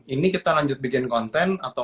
ini kita lanjut bikin konten atau